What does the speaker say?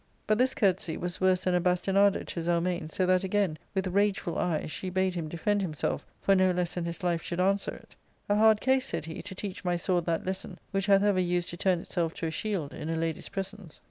But this courtesy was worse than a bastinado to Zelmane, so that again, with rageful eyes, she bad him defend himself, for no less than his life should answer it " A hard case," said he, " to teach my sword that lesson, which hath ever used to turn itself to a shield in a lady's presence."